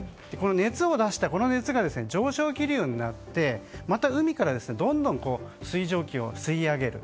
熱を出した、この熱が上昇気流になってまた海からどんどん水蒸気を吸い上げる。